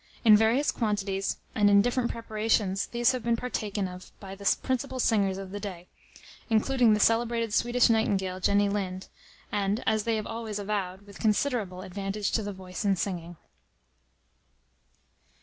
In various quantities, and in different preparations, these have been partaken of by the principal singers of the day, including the celebrated Swedish Nightingale, Jenny Lind, and, as they have always avowed, with considerable advantage to the voice, in singing.